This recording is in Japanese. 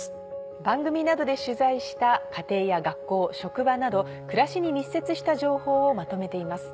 番組などで取材した家庭や学校職場など暮らしに密接した情報をまとめています。